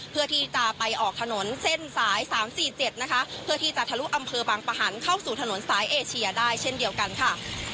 เพื่อที่จะไปออกถนนเส้นสาย๓๔๗นะคะเพื่อที่จะทะลุอำเภอบางปะหันเข้าสู่ถนนสายเอเชียได้เช่นเดียวกันค่ะ